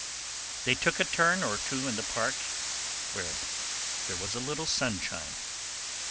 They took a turn or two in the park, where there was a little sunshine.